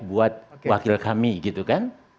buat wakil kami gitu kan